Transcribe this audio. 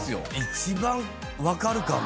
一番わかるかも。